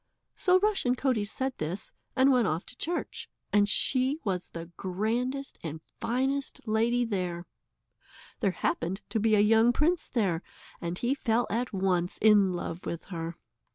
So Rushen Coatie said this, and went off to church, and she was the grandest and finest lady there. There happened to be a young prince there, and he fell at once in love with her.